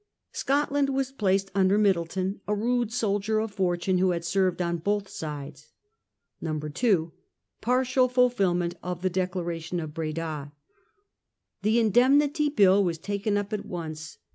Scotland was placed under Middleton, a rude soldier of fortune who had served on both sides. 2. Partial Fulfilment of the Declaration of Breda. The Indemnity Bill was taken up at once.